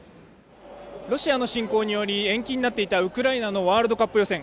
ロシアの侵攻により延期になっていたウクライナのＷ杯予選